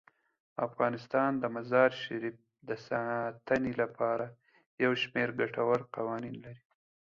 افغانستان د مزارشریف د ساتنې لپاره یو شمیر ګټور قوانین لري.